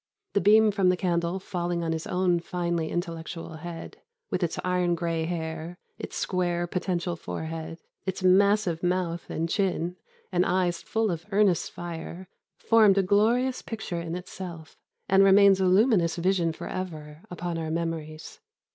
The beam from the candle falling on his own finely intellectual head, with its iron gray hair, its square potential forehead, its massive mouth and chin, and eyes full of earnest fire, formed a glorious picture in itself, and remains a luminous vision for ever upon our memories."